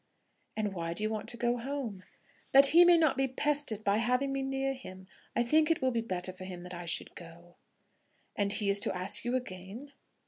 "And why do you want to go home?" "That he may not be pestered by having me near him. I think it will be better for him that I should go." "And he is to ask you again?"